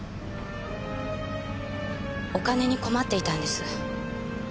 お金に困っていたんです。